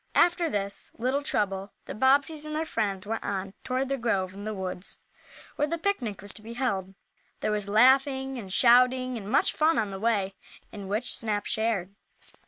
After this little trouble, the Bobbseys and their friends went on toward the grove in the woods where the picnic was to be held. There was laughing and shouting, and much fun on the way, in which Snap shared.